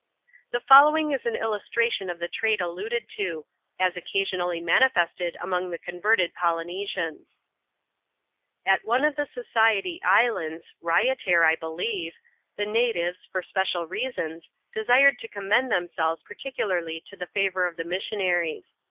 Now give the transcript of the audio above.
The following is an illustration of the trait alluded to, as occasionally manifested among the converted Polynesians. At one of the Society Islands — Raiatair, I believe — the natives, for special reasons, desired to commend themselves particularly to the favour of the missionaries.